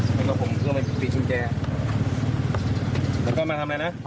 เออแล้วตอนดึงเองดึงยังไงมันถึงลัดได้ดึงมาถึงผมนะครับ